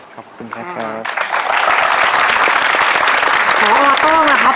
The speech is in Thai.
ขอบคุณค่ะครับ